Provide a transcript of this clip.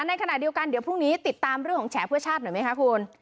ในขณะเดียวกันเดี๋ยวพรุ่งนี้ติดตามเรื่องของแฉเพื่อชาติหน่อยไหมคะคุณ